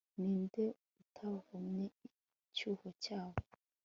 Ninde utavumye icyuho cyabo